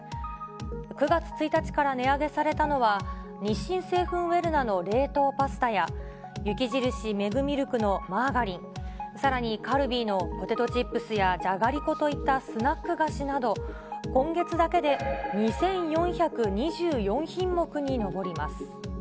９月１日から値上げされたのは、日清製粉ウェルナの冷凍パスタや、雪印メグミルクのマーガリン、さらにカルビーのポテトチップスやじゃがりこといったスナック菓子など、今月だけで２４２１品目に上ります。